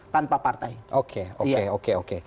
tanpa partai oke oke oke